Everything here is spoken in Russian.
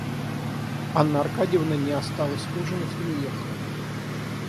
Анна Аркадьевна не осталась ужинать и уехала.